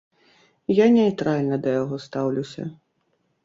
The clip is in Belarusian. Я нейтральна да яго стаўлюся.